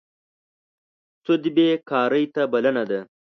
سود بېکارۍ ته بلنه ده.